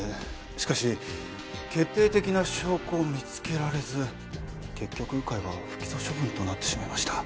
しかし決定的な証拠を見つけられず結局鵜飼は不起訴処分となってしまいました。